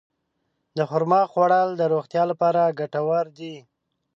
د خرما خوړل د روغتیا لپاره ګټور دي.